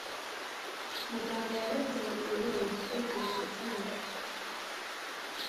muganga yararyamye! yoo, igitekerezo kibi,